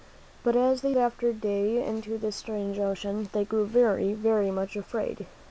But as they sailed day after day into this strange ocean, they grew very, very much afraid.